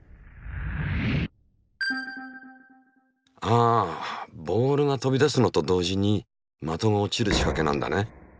あボールが飛び出すのと同時に的が落ちる仕掛けなんだね。